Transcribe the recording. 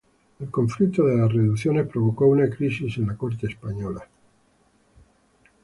El conflicto de las reducciones provocó una crisis en la Corte española.